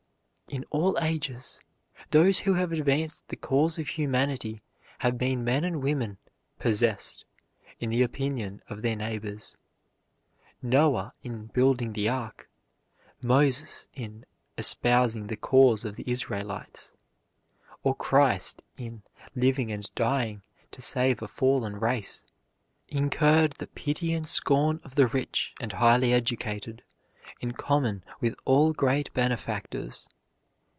In all ages those who have advanced the cause of humanity have been men and women "possessed," in the opinion of their neighbors. Noah in building the ark, Moses in espousing the cause of the Israelites, or Christ in living and dying to save a fallen race, incurred the pity and scorn of the rich and highly educated, in common with all great benefactors.